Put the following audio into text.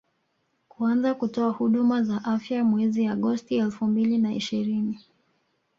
kuanza kutoa huduma za afya mwezi agosti elfu mbili na ishirini